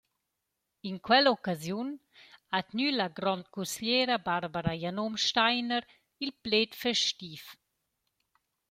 In quell’occasiun ha tgnü la grondcusgliera Barbara Janom-Steiner il pled festiv.